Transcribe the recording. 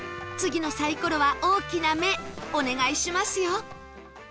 次のサイコロは大きな目お願いしますよ